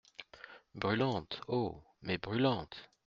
Brûlantes ! oh ! mais brûlantes !